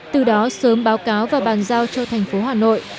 từ đó sớm báo cáo và bàn giao cho thành phố hà nội